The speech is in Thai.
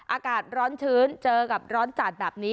อากาศร้อนชื้นเจอกับร้อนจัดแบบนี้